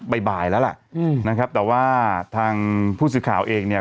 บ่ายแล้วล่ะอืมนะครับแต่ว่าทางผู้สื่อข่าวเองเนี่ย